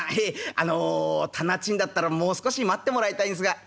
あの店賃だったらもう少し待ってもらいたいんすが」。